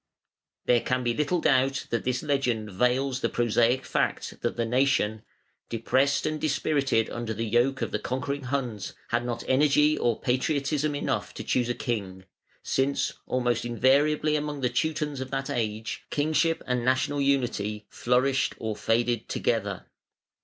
There can be little doubt that this legend veils the prosaic fact that the nation, depressed and dispirited under the yoke of the conquering Huns, had not energy or patriotism enough to choose a king; since almost invariably among the Teutons of that age, kingship and national unity flourished or faded together.